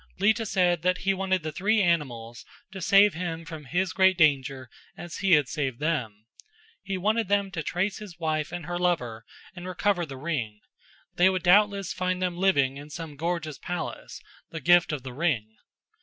Lita said that he wanted the three animals to save him from his great danger as he had saved them; he wanted them to trace his wife and her lover and recover the ring; they would doubtless find them living in some gorgeous palace, the gift of the ring.